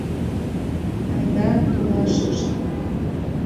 — Айда толашышт.